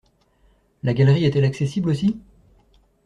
La galerie est-elle accessible aussi?